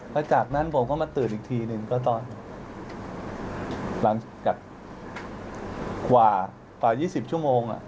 แล้วจากนั้นผมก็มาตื่นอีกทีหนึ่งก็ตอนหลังจากกว่า๒๐ชั่วโมง